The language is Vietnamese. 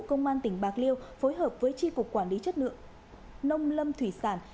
công an tỉnh bạc liêu phối hợp với tri cục quản lý chất lượng nông lâm thủy sản